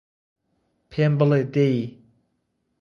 پێم بڵێ دەی